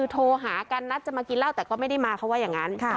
โทรหากันนัดจะมากินเหล้าแต่ก็ไม่ได้มาเขาว่าอย่างนั้น